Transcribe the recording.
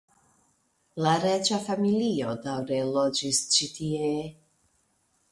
La reĝa familio daŭre loĝis ĉi tie.